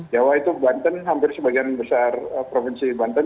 jawa itu banten hampir sebagian besar provinsi banten